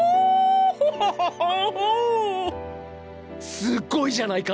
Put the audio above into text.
すっごいじゃないか！